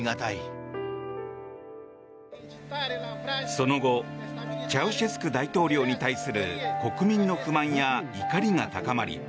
その後チャウシェスク大統領に対する国民の不満や怒りが高まり